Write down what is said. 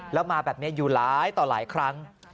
แล้วมาแบบนี้อยู่หลายต่อหลายครั้ง